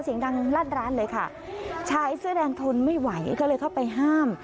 เสียงดังลั่นร้านเลยค่ะชายเสื้อแดงทนไม่ไหวก็เลยเข้าไปห้าม